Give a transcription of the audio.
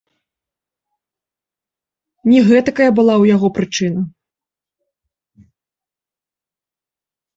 Не гэтакая была ў яго прычына.